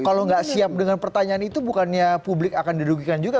kalau nggak siap dengan pertanyaan itu bukannya publik akan dirugikan juga